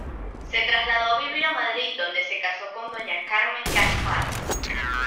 Se trasladó a vivir a Madrid donde se casó con doña Carmen Gaspar.